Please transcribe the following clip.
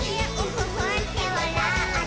ふっふってわらって」